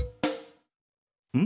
ん？